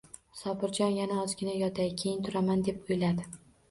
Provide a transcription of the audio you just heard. Sobirjon yana ozgina yotay, keyin turaman deb oʻyladi.